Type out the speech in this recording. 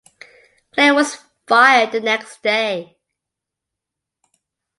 Clem was fired the next day.